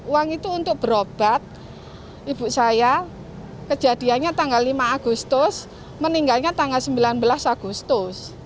uang itu untuk berobat ibu saya kejadiannya tanggal lima agustus meninggalnya tanggal sembilan belas agustus